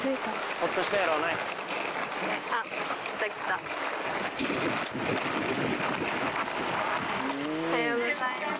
おはようございます。